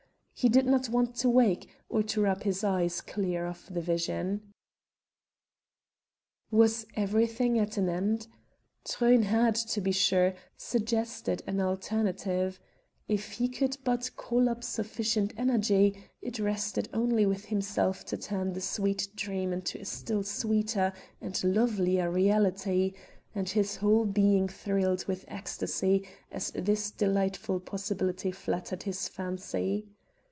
He did not want to wake, or to rub his eyes clear of the vision. Was everything at an end then? Truyn had, to be sure, suggested an alternative: if he could but call up sufficient energy it rested only with himself to turn the sweet dream into a still sweeter and lovelier reality, and his whole being thrilled with ecstasy as this delightful possibility flattered his fancy.